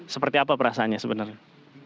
seperti apa perasaannya sebenarnya